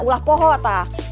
udah pohon tak